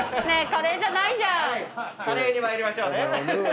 カレーに参りましょうね。